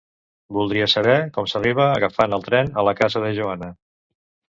Voldria saber com s'arriba agafant el tren a la casa de Joana.